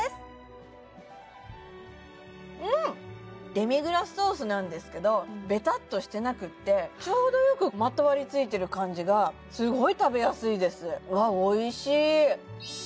デミグラスソースなんですけどベタッとしてなくてちょうどよくまとわりついてる感じがすごい食べやすいです